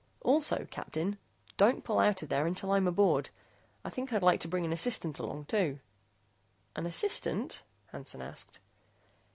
Also, Captain, don't pull out of here until I'm aboard. I think I'd like to bring an assistant along, too." "An assistant?" Hansen asked.